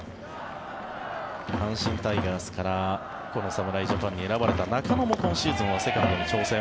阪神タイガースからこの侍ジャパンに選ばれた中野も今シーズンはセカンドに挑戦。